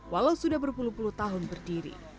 walau sudah berpuluh puluh tahun berdiri